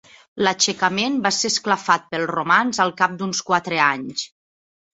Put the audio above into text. L'aixecament va ser esclafat pels romans al cap d'uns quatre anys.